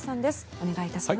お願いいたします。